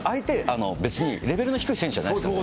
別にレベルの低い選手じゃないですから。